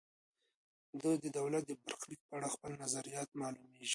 ده د دولت د برخلیک په اړه خپل نظریات معلوميږي.